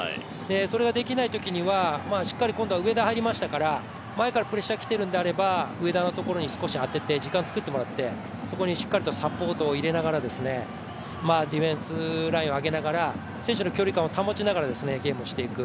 それができないときには今度は上田が入りましたから、前からプレッシャーが来ているのであれば、上田にしっかり時間を作ってもらって、そこにしっかりサポートを入れながらディフェンスラインを上げながら選手の距離感を保ちながらゲームをしていく。